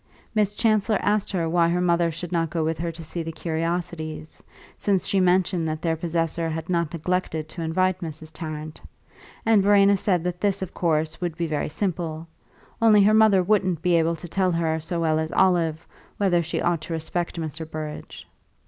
Miss Chancellor asked her why her mother should not go with her to see the curiosities, since she mentioned that their possessor had not neglected to invite Mrs. Tarrant; and Verena said that this, of course, would be very simple only her mother wouldn't be able to tell her so well as Olive whether she ought to respect Mr. Burrage.